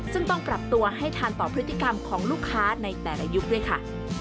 ซึ่งต้องปรับตัวให้ทานต่อพฤติกรรมของลูกค้าในแต่ละยุคด้วยค่ะ